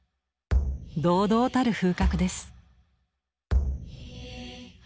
堂々たる風格です。